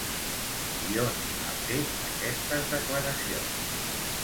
I on ha fet aquestes declaracions?